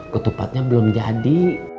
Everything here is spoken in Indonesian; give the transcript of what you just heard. ketupatnya belum jadi